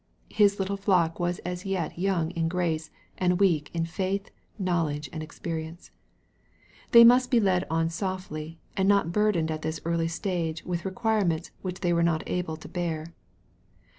His little flock was as yet young in grace, and weak in faith, knowledge, and experience. They must be led on softly, and not burdened at this early stage with requirements which they were not able to bear.